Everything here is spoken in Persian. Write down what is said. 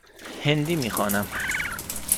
هندی می خوانم.